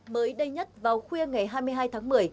mới đây nhất vào khuya ngày hai mươi hai tháng một mươi